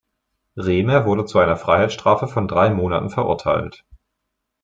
Remer wurde zu einer Freiheitsstrafe von drei Monaten verurteilt.